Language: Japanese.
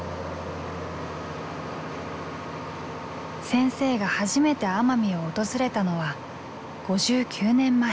先生が初めて奄美を訪れたのは５９年前。